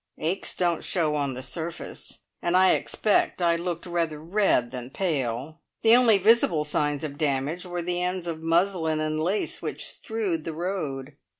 Aches don't show on the surface, and I expect I looked rather red than pale. The only visible signs of damage were the ends of muslin and lace which strewed the road.